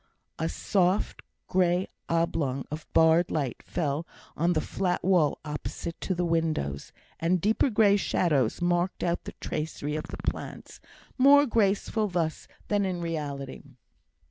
A soft grey oblong of barred light fell on the flat wall opposite to the windows, and deeper grey shadows marked out the tracery of the plants, more graceful thus than in reality.